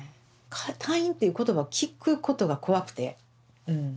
退院っていう言葉を聞くことが怖くてうん。